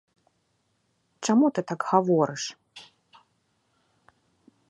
Чаму ты так гаворыш?